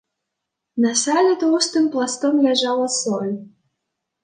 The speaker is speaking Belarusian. На сале тоўстым пластом ляжала соль.